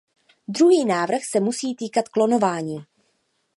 Druhý návrh se musí týkat klonování.